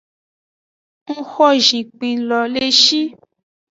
Ng xo zinkpin lo le shi.